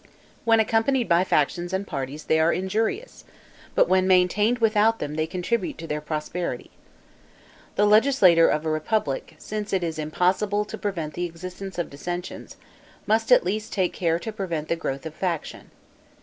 When accompanied by factions and parties they are injurious; but when maintained without them they contribute to their prosperity. The legislator of a republic, since it is impossible to prevent the existence of dissensions, must at least take care to prevent the growth of faction.